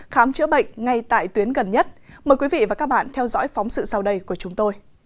khám chữa bệnh ngay tại tuyến gần nhất